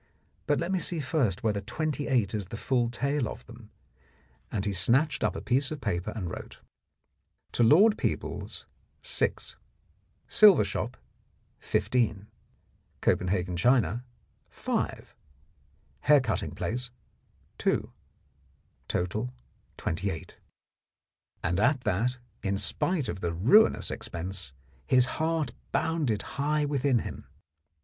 But let me see first whether twenty eight is the full tale of them," and he snatched up a piece of paper and wrote : To Lord Peebles 6 Silver Shop 15 Copenhagen China 5 Haircutting place 2 28 60 The Blackmailer of Park Lane and at that, in spite of the ruinous expense, his heart bounded high within him.